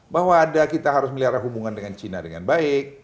bahwa ada kita harus melihara hubungan dengan cina dengan baik